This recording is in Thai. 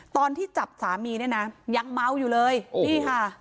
ตอนที่จับสามีเนี่ยนะยังเมาอยู่เลยนี่ค่ะ